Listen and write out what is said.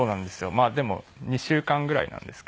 まあでも２週間ぐらいなんですけど。